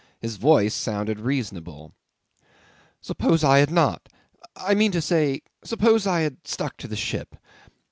His voice sounded reasonable. '"Suppose I had not I mean to say, suppose I had stuck to the ship?